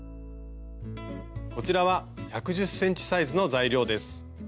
こちらは１１０ｃｍサイズの材料です。